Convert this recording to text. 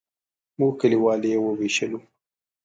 موږ کلیوال یې وویشلو.